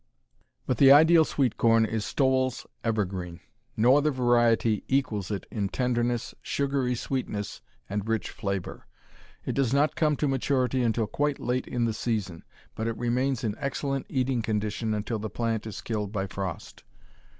But the ideal sweet corn is Stowell's Evergreen. No other variety equals it in tenderness, sugary sweetness, and rich flavor. It does not come to maturity until quite late in the season, but it remains in excellent eating condition until the plant is killed by frost.